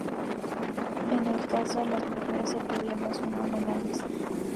En el caso de las mujeres, el problema es su enorme nariz.